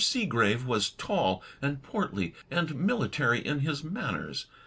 Seegrave was tall and portly, and military in his manners.